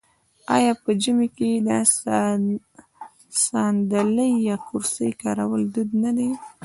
آیا په ژمي کې د ساندلۍ یا کرسۍ کارول دود نه دی؟